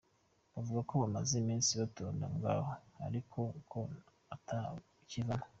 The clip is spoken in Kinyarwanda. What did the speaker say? Bavuga ko bamaze imisi batonda ngaho ariko ko ata kivamwo.